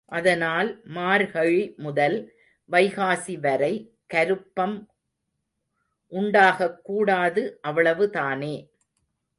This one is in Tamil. அதனால் மார்கழி முதல் வைகாசி வரை கருப்பம் உண்டாகக் கூடாது, அவ்வளவுதானே.